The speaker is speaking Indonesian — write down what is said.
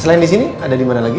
selain di sini ada di mana lagi